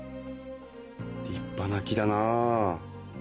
立派な木だなぁ。